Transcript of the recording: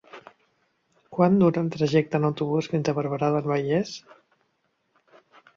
Quant dura el trajecte en autobús fins a Barberà del Vallès?